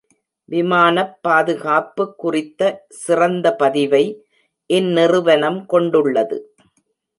விமானப் பாதுகாப்பு குறித்த சிறந்த பதிவை இந்நிறுவனம் கொண்டுள்ளது.